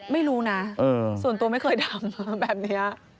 ไม่รู้นะส่วนตัวไม่เคยทำแบบนี้